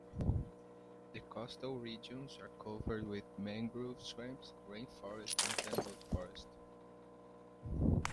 The coastal regions are covered with Mangrove swamps, rain forest and tangled forest.